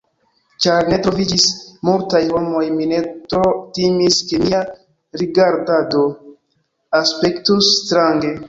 Ĉar ne troviĝis multaj homoj, mi ne tro timis ke mia rigardado aspektus strange.